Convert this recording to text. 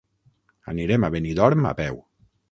Anirem a Benidorm a peu.